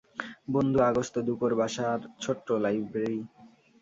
বন্ধু আগস্ত দুপোঁর বাসার ছোট্ট লাইব্রেরি।